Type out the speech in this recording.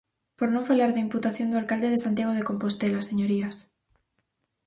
Por non falar da imputación do alcalde de Santiago de Compostela, señorías.